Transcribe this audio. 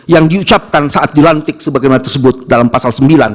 yang diucapkan saat dilantik sebagaimana tersebut dalam pasal sembilan